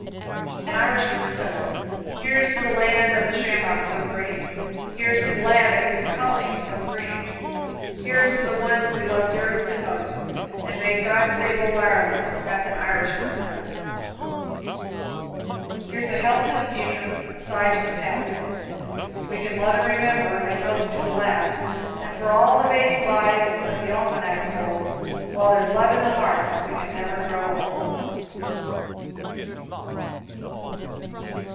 An Irishman's Toast. Here's to the land of the shamrock so green, Here's to each lad and his darling colleen, Here's to the ones we love dearest and most. And may God save old Ireland that's an Irishman's toast. Here's a health to the future, A sigh for the past. We can love and remember, And hope to the last, And for all the base lies That the almanacs hold. While there's love in the heart, We can never grow old.